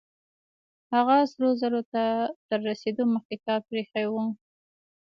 هغه سرو زرو ته تر رسېدو مخکې کار پرېښی و.